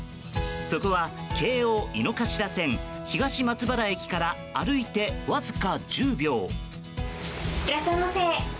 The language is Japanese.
そこは京王井の頭線東松原駅から歩いてわずか１０秒。